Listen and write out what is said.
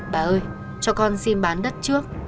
bà ơi cho con xin bán đất trước